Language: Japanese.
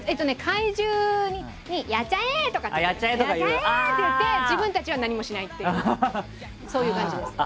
怪獣に「やっちゃえ！」って言って自分たちは何もしないっていうそういう感じです。